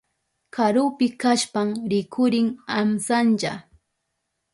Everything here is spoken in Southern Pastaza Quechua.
Karupi kashpan rikurin amsanlla.